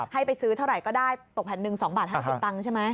ให้ไปซื้อเท่าไหร่ก็ได้ตกแผ่นหนึ่ง๒บาท๕๐ตังค์ใช่ไหม